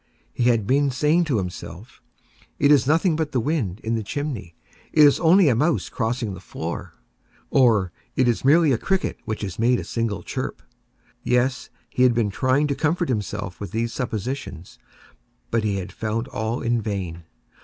He had been saying to himself—"It is nothing but the wind in the chimney—it is only a mouse crossing the floor," or "It is merely a cricket which has made a single chirp." Yes, he had been trying to comfort himself with these suppositions: but he had found all in vain.